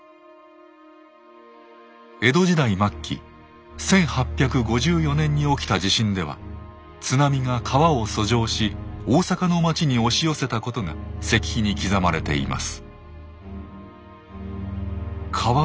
江戸時代末期１８５４年に起きた地震では津波が川を遡上し大阪の町に押し寄せたことが石碑に刻まれています。